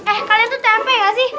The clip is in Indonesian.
eh kalian tuh tempe gak sih